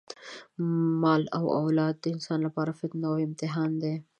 مال او اولاد د انسان لپاره فتنه او امتحان دی.